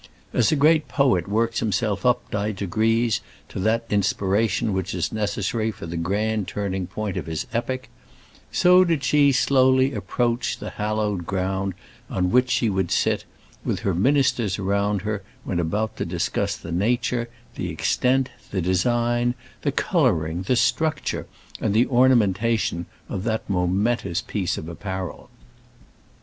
As a great poet works himself up by degrees to that inspiration which is necessary for the grand turning point of his epic, so did she slowly approach the hallowed ground on which she would sit, with her ministers around her, when about to discuss the nature, the extent, the design, the colouring, the structure, and the ornamentation of that momentous piece of apparel.